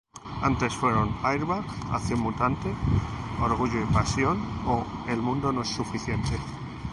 Antes fueron Airbag, Acción mutante, Orgullo y pasión o El mundo no es suficiente.